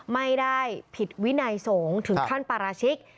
ไม่ได้ผิดวินัยสงฆ์ถึงขั้นปราชิก